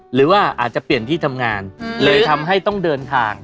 หรือว่าอาจจะเปลี่ยนที่ทำงานเลยทำให้ต้องเดินทาง